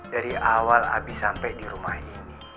dari awal abis sampai di rumah ini